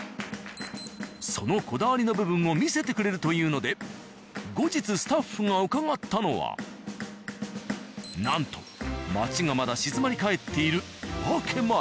そのこだわりの部分を見せてくれるというので後日スタッフが伺ったのはなんと街がまだ静まり返っている夜明け前。